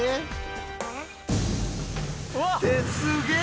すげえ！